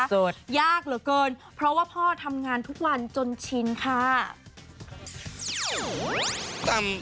ยากเหลือเกินเพราะว่าพ่อทำงานทุกวันจนชินค่ะ